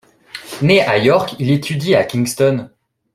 Né à York, il étudie à Kingston.